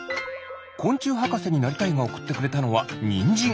こんちゅうはかせになりたいがおくってくれたのはニンジン。